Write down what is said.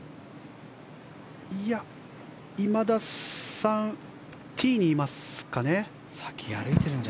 今田さんはティーにいますかね。